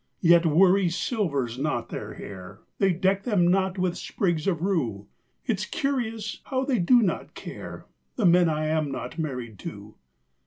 Yet worry silvers not their hair; They deck them not with sprigs of rue. It's curious how they do not care The men I am not married to.